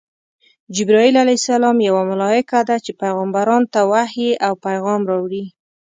جبراییل ع یوه ملایکه ده چی پیغمبرانو ته وحی او پیغام راوړي.